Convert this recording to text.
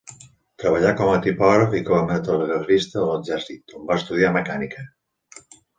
Treballà com a tipògraf i com a telegrafista de l'exèrcit, on va estudiar mecànica.